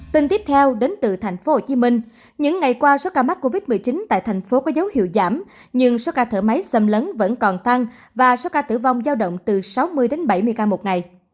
tình tiếp theo đến từ thành phố hồ chí minh những ngày qua số ca mắc covid một mươi chín tại thành phố có dấu hiệu giảm nhưng số ca thở máy xâm lấn vẫn còn tăng và số ca tử vong giao động từ sáu mươi bảy mươi ca một ngày